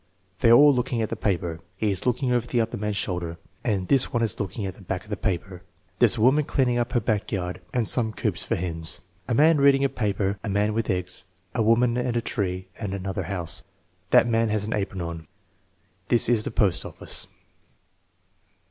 "They are all looking at the paper. He is looking over the other man's shoulder and this one is looking at the back of the paper. There's a woman cleaning up her back yard and some coops for hens." "A man reading a paper, a man with eggs, a woman and a tree and another house. That man has an apron on. This is the post office."